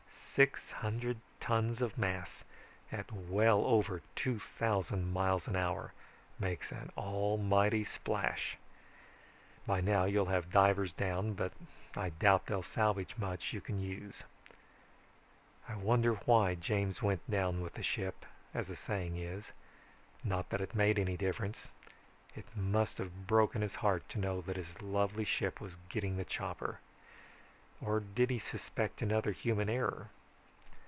Six hundred tons of mass at well over two thousand miles an hour make an almighty splash. By now you'll have divers down, but I doubt they'll salvage much you can use. "I wonder why James went down with the ship, as the saying is? Not that it made any difference. It must have broken his heart to know that his lovely ship was getting the chopper. Or did he suspect another human error?